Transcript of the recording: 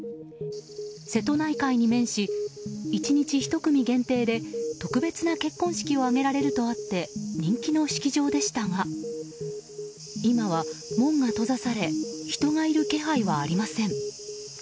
瀬戸内海に面し、１日１組限定で特別な結婚式を挙げられるとあって人気の式場でしたが今は門が閉ざされ人がいる気配はありません。